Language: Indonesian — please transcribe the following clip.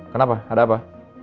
kenapa ada apa